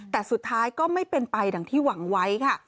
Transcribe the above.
แต่สุดท้ายก็ไม่เป็นไปดังที่หวังไว้ค่ะ